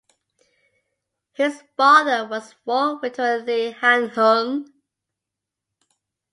His father was war veteran Li Hanhun.